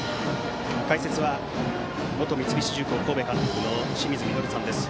解説は元三菱重工神戸監督の清水稔さんです。